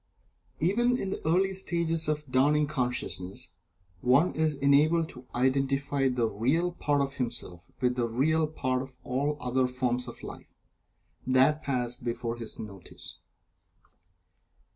Even in the early stages of this dawning consciousness, one is enabled to identify the real part of himself with the real part of all the other forms of life that pass before his notice.